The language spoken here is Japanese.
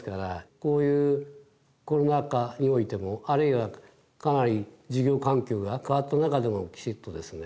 こういうコロナ禍においてもあるいはかなり事業環境が変わった中でもきちっとですね